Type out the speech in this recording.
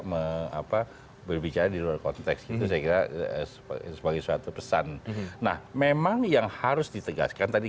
apa berbicara di luar konteks itu saya kira sebagai suatu pesan nah memang yang harus ditegaskan tadi